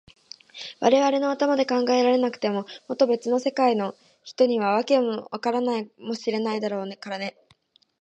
われわれの頭では考えられなくても、もっとべつの世界の人には、わけもないことかもしれないのだからね。